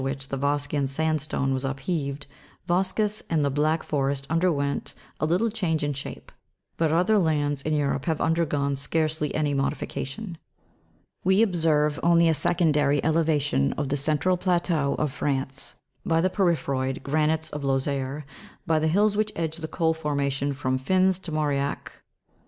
which the vosgean sandstone was upheaved, Vpsges and the Black Forest underwent a little change in shape ; but other lands in Europe have undergone scarcely any modification. We observe only a secondary elevation of the central plateau of France by the porphyroid granites of Lozere, by the hills which edge the coal formation from Fins to Mauriac.